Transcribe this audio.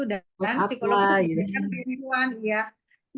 dan psikolog itu diberikan pernihan